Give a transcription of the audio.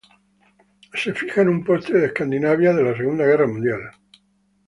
Se fija en un poste de Escandinavia de la Segunda Guerra Mundial.